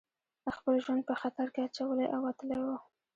هغه خپل ژوند په خطر کې اچولی او وتلی و